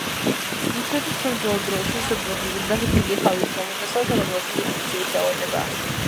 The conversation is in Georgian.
იცოდით რომ ძველ დროში სუბტროპიკული და რბილი ჰავის გამო დასავლეთ საქართველოში ინფექციური დაავადება,